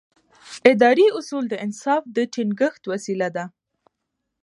اداري اصول د انصاف د ټینګښت وسیله ده.